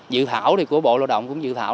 dự thảo của bộ lao động cũng dự thảo